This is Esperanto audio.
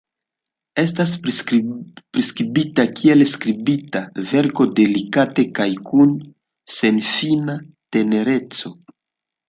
Estas priskribita kiel skribita verko delikate kaj kun senfina tenereco.